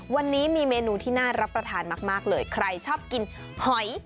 วันนี้มีเมนูที่น่ารับประทานมากเลยใครชอบกินหอย